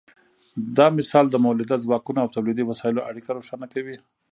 دا مثال د مؤلده ځواکونو او تولیدي وسایلو اړیکه روښانه کوي.